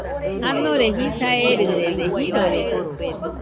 Janore jisa erɨrede, jirorede